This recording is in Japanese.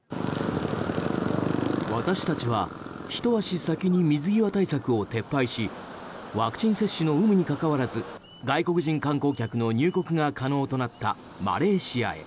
私たちはひと足先に水際対策を撤廃しワクチン接種の有無にかかわらず外国人観光客の入国が可能となったマレーシアへ。